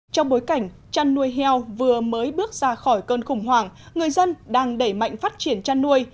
trong bối cảnh chăn nuôi heo vừa mới bước ra khỏi cơn khủng hoảng người dân đang đẩy mạnh phát triển chăn nuôi